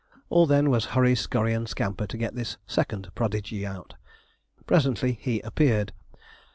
All then was hurry, scurry, and scamper to get this second prodigy out. Presently he appeared.